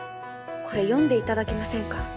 これ読んでいただけませんか？